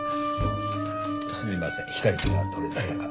すみません左手がどれでしたか？